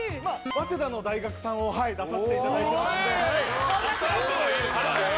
早稲田の大学さんをはい出させていただいてますんで・うわ！